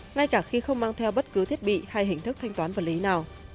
ngay cả khi không mang theo bất cứ thiết bị hay hình thức thanh toán vật lý nào